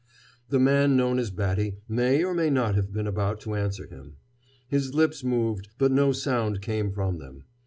The man known as Batty may or may not have been about to answer him. His lips moved, but no sound came from them.